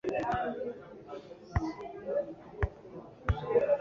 Akomeza avuga ko Niramire Nkusi